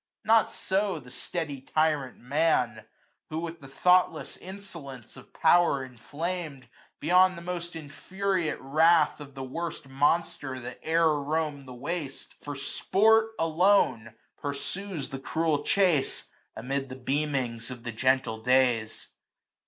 Not so the steady tyrant man, 390 Who with the thoughtless insolence of power Inflamed, beyond the most infuriate wrath Of the worst monster that e'er roam'd.the waste. For sport alone pursues the cruel chase. Amid the beamings of the gentle days.